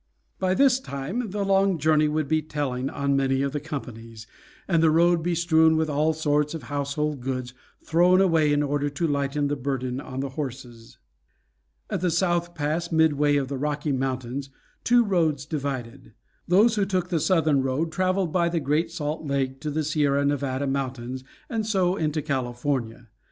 By this time the long journey would be telling on many of the companies, and the road be strewn with all sorts of household goods, thrown away in order to lighten the burden on the horses. At the South Pass, midway of the Rocky Mountains, two roads divided; those who took the southern road traveled by the Great Salt Lake to the Sierra Nevada Mountains, and so into California.